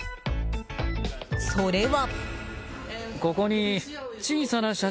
それは。